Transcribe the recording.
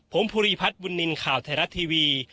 ผมภูริพัฒน์บุญนินทร์ข่าวไทยรัฐทีวี